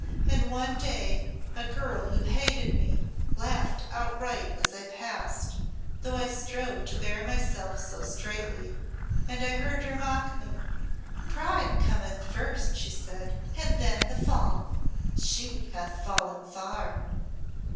"And one day a girl who hated me laughed outright as I passed though I strove to bear myself so straightly and I heard her mock me. 'Pride cometh first,' she said, 'and then the fall. She hath fallen far.'"